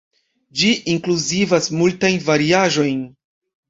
Ĝi inkluzivas multajn variaĵojn.